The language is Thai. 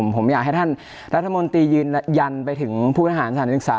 ผมอยากให้ท่านลัฐมนตรียืนยันไปถึงภูเขาอาหารอัศดิกษา